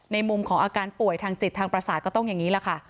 มุมของอาการป่วยทางจิตทางประสาทก็ต้องอย่างนี้แหละค่ะ